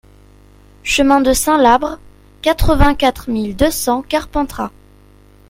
Chemin de Saint-Labre, quatre-vingt-quatre mille deux cents Carpentras